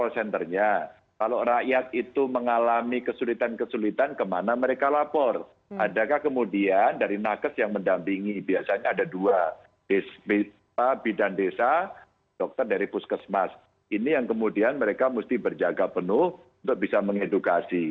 selamat sore mbak rifana